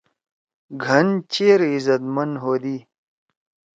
گھن چیر عزت مند ہودی۔